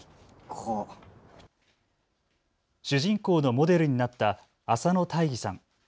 主人公のモデルになった浅野大義さん。